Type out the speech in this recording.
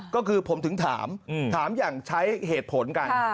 ก็คือผมถึงถามถามอย่างใช้เหตุผลกัน